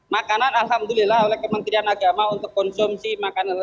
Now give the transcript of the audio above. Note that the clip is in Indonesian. makanan alhamdulillah oleh kementerian agama untuk konsumsi makanan